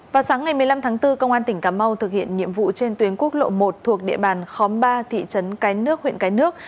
vào sáng ngày một mươi năm tháng bốn công an tỉnh cà mau thực hiện nhiệm vụ trên tuyến quốc lộ một thuộc địa bàn khóm ba thị trấn cái nước huyện cái nước